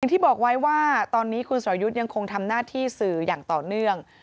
ที่บอกไว้ว่าตอนนี้คุณสรยุทธ์ยังคงทำหน้าที่สื่ออย่างต่อเนื่อง